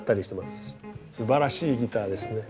すばらしいギターですね。